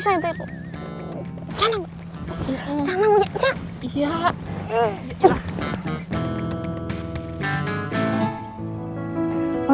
lagi ngeliatin pemandangan indah gitu ah lama lama